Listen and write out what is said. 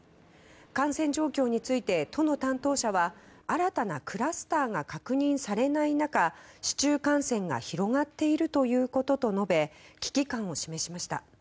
感染状況について都の担当者は新たなクラスターが確認されない中市中感染が広がっているということと述べ危機感を示しました。